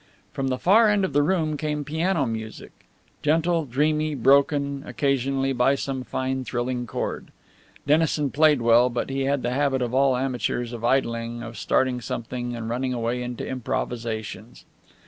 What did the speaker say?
From the far end of the room came piano music; gentle, dreamy, broken occasionally by some fine, thrilling chord. Dennison played well, but he had the habit of all amateurs of idling, of starting something, and running away into improvisations.